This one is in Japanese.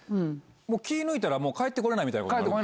気抜いたら、もう帰ってこれないみたいなことある？